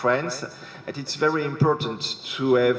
dan sangat penting untuk memiliki kesehatan yang baik